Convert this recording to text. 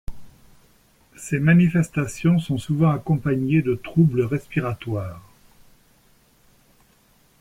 Ces manifestations sont souvent accompagnées de troubles respiratoires.